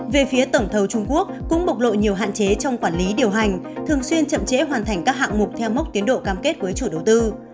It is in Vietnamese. về phía tổng thầu trung quốc cũng bộc lộ nhiều hạn chế trong quản lý điều hành thường xuyên chậm trễ hoàn thành các hạng mục theo mốc tiến độ cam kết với chủ đầu tư